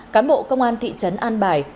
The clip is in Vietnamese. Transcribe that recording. cán bộ công an thị trấn an bài